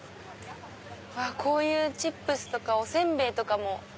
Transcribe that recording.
こういうチップスとかお煎餅とかも。